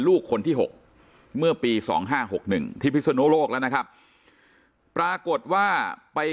ลูกคนที่๖เมื่อปี๒๕๖๑ที่พิศนุโลกแล้วนะครับปรากฏว่าไป